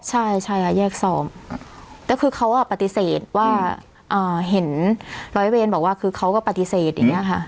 ใช่ใช่ค่ะแยกสอบก็คือเขาปฏิเสธว่าเห็นร้อยเวรบอกว่าคือเขาก็ปฏิเสธอย่างนี้ค่ะ